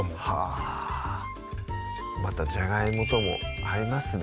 はぁまたじゃがいもとも合いますね